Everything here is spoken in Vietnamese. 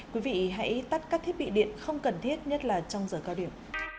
quý vị hãy tắt các thiết bị điện không cần thiết nhất là trong giờ cao điểm